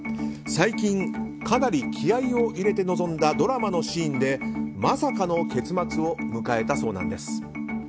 最近、かなり気合を入れて臨んだドラマのシーンでまさかの結末を迎えたそうなんです。